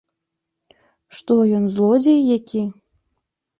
Што ён, злодзей які?